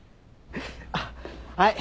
あっはい。